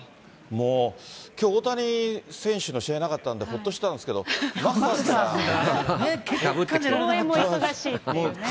もう、きょう大谷選手の試合なかったんでほっとしたんですけ応援も忙しいっていうね。